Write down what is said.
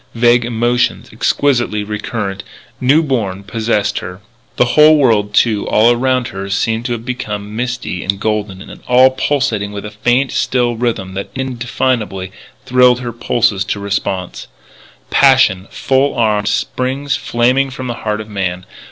Vague emotions, exquisitely recurrent, new born, possessed her. The whole world, too, all around her seemed to have become misty and golden and all pulsating with a faint, still rhythm that indefinably thrilled her pulses to response. Passion, full armed, springs flaming from the heart of man.